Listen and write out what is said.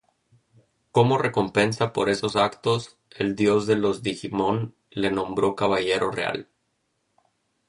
Cómo recompensa por esos actos, el Dios de los Digimon le nombró Caballero Real.